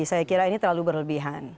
saya kira ini terlalu berlebihan